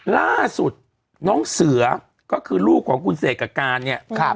ล่าสุดน้องเสือก็คือลูกของคุณเสกกับการเนี่ย